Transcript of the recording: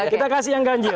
kita kasih yang ganjil